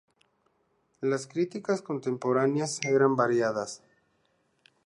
Las críticas contemporáneas eran variadas.